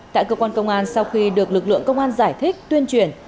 tại cơ quan công an sau khi được lực lượng công an giải thích tuyên truyền